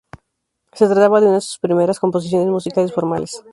Se trataba de una de sus primeras composiciones musicales formales.